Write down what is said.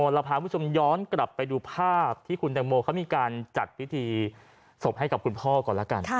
เราพาคุณผู้ชมย้อนกลับไปดูภาพที่คุณแตงโมเขามีการจัดพิธีศพให้กับคุณพ่อก่อนแล้วกัน